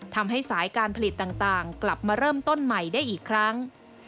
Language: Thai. ทำให้สายการผลิตต่างกลับมาเริ่มต้นใหม่ได้อีกครั้ง